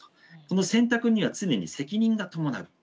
この選択には常に責任が伴う。